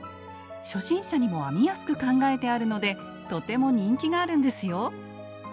初心者にも編みやすく考えてあるのでとても人気があるんですよ。